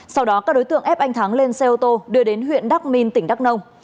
sau đó các đối tượng ép anh thắng lên xe ô tô đưa đến huyện đắk minh tỉnh đắk nông